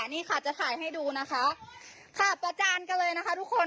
นี่ค่ะจะถ่ายให้ดูนะคะค่ะประจานกันเลยนะคะทุกคน